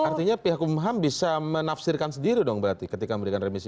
artinya pihak kum ham bisa menafsirkan sendiri dong berarti ketika memberikan remisi ini